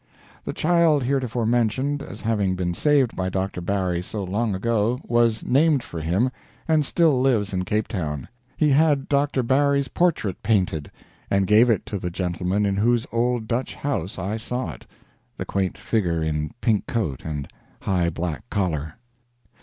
The child heretofore mentioned as having been saved by Dr. Barry so long ago, was named for him, and still lives in Cape Town. He had Dr. Barry's portrait painted, and gave it to the gentleman in whose old Dutch house I saw it the quaint figure in pink coat and high black collar.